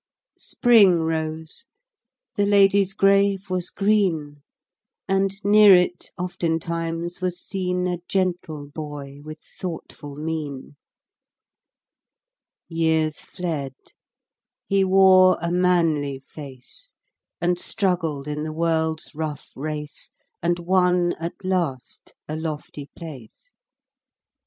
Spring rose; the lady's grave was green; And near it, oftentimes, was seen A gentle boy with thoughtful mien. Years fled; he wore a manly face, And struggled in the world's rough race, And won at last a lofty place.